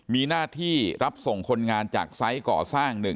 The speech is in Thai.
มีหน้าที่รับส่งคนงานจากไซส์ก่อสร้าง๑